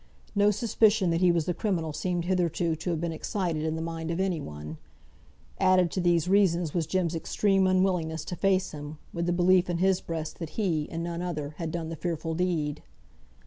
No suspicion that he was the criminal seemed hitherto to have been excited in the mind of any one. Added to these reasons was Jem's extreme unwillingness to face him, with the belief in his breast that he, and none other, had done the fearful deed.